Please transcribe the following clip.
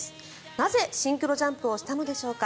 なぜシンクロジャンプをしたのでしょうか。